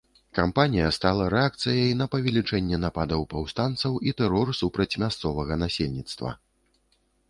Кампанія стала рэакцыяй на павелічэнне нападаў паўстанцаў і тэрор супраць мясцовага насельніцтва.